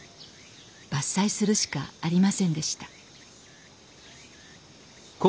伐採するしかありませんでした。